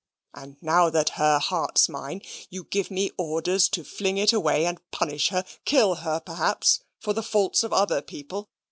And now that her heart's mine you give me orders to fling it away, and punish her, kill her perhaps for the faults of other people.